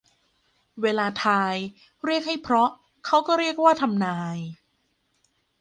เวลาทาย เรียกให้เพราะเขาก็เรียกว่าทำนาย